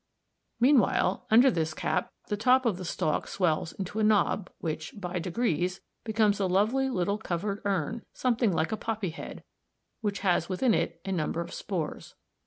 Meanwhile, under this cap the top of the stalk swells into a knob which, by degrees, becomes a lovely little covered urn u, something like a poppy head, which has within it a number of spores.